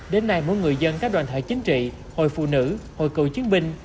đến nay mỗi người dân các đoàn thể chính trị hội phụ nữ hội cựu chiến binh